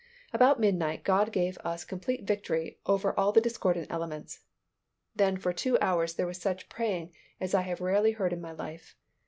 About midnight God gave us complete victory over all the discordant elements. Then for two hours there was such praying as I have rarely heard in my life.